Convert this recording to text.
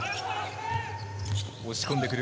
押し込んでくる。